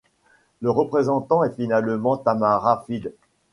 Le représentant est finalement Tamara feat.